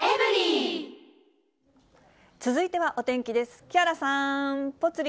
続いてはお天気です。